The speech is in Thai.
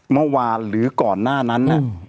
เมื่อวานหรือก่อนหน้านั้น